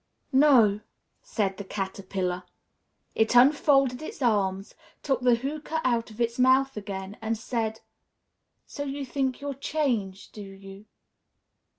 "No," said the Caterpillar. It unfolded its arms, took the hookah out of its mouth again, and said, "So you think you're changed, do you?"